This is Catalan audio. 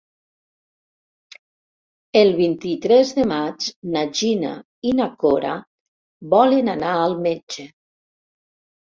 El vint-i-tres de maig na Gina i na Cora volen anar al metge.